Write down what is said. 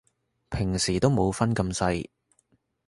平時都冇分咁細